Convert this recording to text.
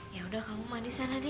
yaudah kamu mandi sana di